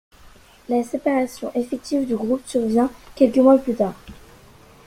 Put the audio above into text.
La séparation effective du groupe survient quelques mois plus tard.